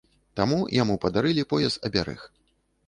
Там яму падарылі пояс-абярэг.